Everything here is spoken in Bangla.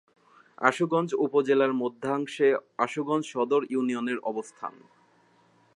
আশুগঞ্জ উপজেলার মধ্যাংশে আশুগঞ্জ সদর ইউনিয়নের অবস্থান।